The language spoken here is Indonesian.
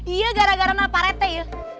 iya gara gara pak rete ya